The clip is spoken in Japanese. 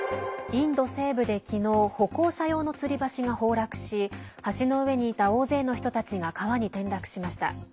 インド西部で昨日歩行者用のつり橋が崩落し橋の上にいた大勢の人たちが川に転落しました。